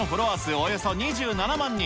およそ２７万人。